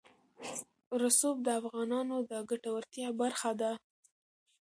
رسوب د افغانانو د ګټورتیا برخه ده.